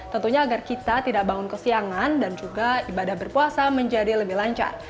tentunya agar kita tidak bangun kesiangan dan juga ibadah berpuasa menjadi lebih lancar